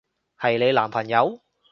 係你男朋友？